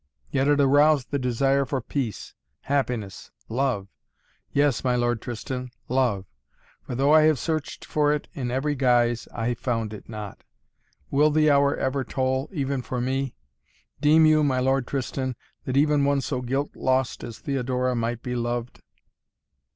Yet it aroused the desire for peace happiness love! Yes, my Lord Tristan, love! For though I have searched for it in every guise, I found it not. Will the hour every toll even for me? Deem you, my Lord Tristan, that even one so guilt lost as Theodora might be loved?"